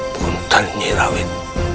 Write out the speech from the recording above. buntel nyi rawit